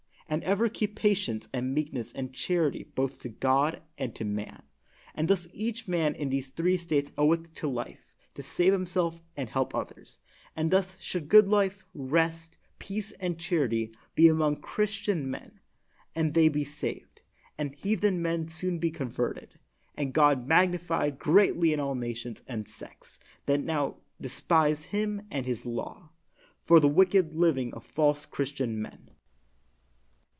And ever keep patience and meekness and charity both to God and to man. And thus each man in these three states oweth to live, to save himself and help others; and thus should good life, rest, peace, and charity be among Christian men, and they be saved, and heathen men soon converted, and God magnified greatly in all nations and sects that now despise Him and His law, for the wicked living of false Christian men.